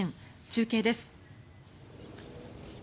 中継です。